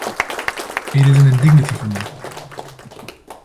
It is an indignity for me.